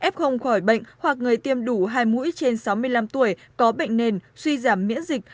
f khỏi bệnh hoặc người tiêm đủ hai mũi trên sáu mươi năm tuổi có bệnh nền suy giảm miễn dịch